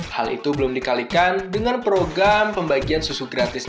hal itu belum dikalikan dengan program makan siang dan susu gratis ini